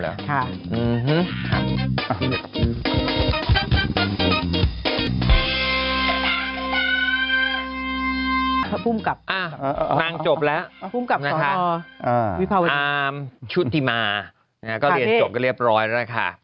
นางจบแล้วอาร์มชุดที่มาเรียนจบก็เรียบร้อยแล้วค่ะ